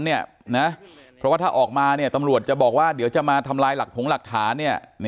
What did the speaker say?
เพราะว่าถ้าออกมาตำรวจจะบอกว่าเดี๋ยวจะมาทำลายหลักผงหลักฐาน